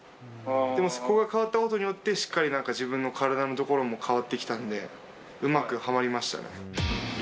でもそこが変わったことによって、しっかりなんか、自分の体のところも変わってきたんで、うまくはまりましたね。